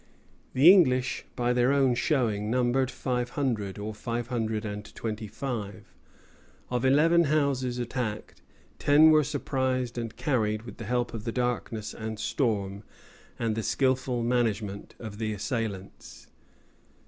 The English, by their own showing, numbered five hundred, or five hundred and twenty five. Of eleven houses attacked, ten were surprised and carried, with the help of the darkness and storm and the skilful management of the assailants.